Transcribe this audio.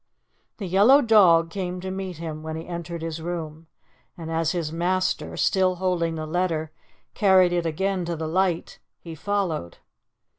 The yellow dog came to meet him when he entered his room, and as his master, still holding the letter, carried it again to the light, he followed.